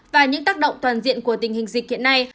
và những tác động toàn diện của tình hình dịch hiện nay